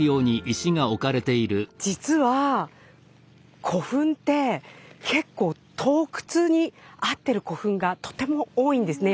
実は古墳って結構盗掘にあってる古墳がとても多いんですね。